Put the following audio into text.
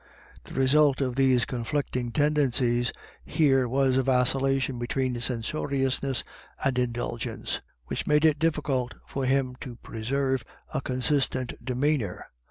The result of these conflicting tendencies here was a vacillation between censoriousness and indulgence, which made it diffi cult for him to preserve a consistent demeanour.